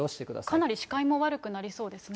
かなり視界も悪くなりそうですね。